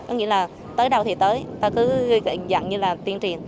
nó nghĩa là tới đâu thì tới ta cứ dặn như là tuyên truyền